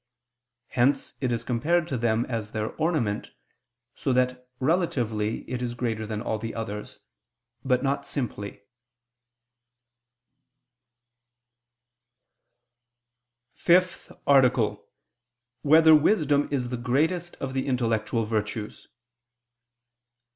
Hence it is compared to them as their ornament, so that relatively it is greater than all the others, but not simply. ________________________ FIFTH ARTICLE [I II, Q. 66, Art. 5] Whether Wisdom Is the Greatest of the Intellectual Virtues?